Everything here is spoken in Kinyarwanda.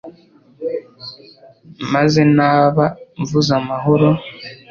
maze naba mvuze amahoro